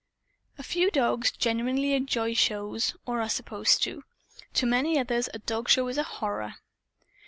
A few dogs genuinely enjoy shows or are supposed to. To many others a dogshow is a horror.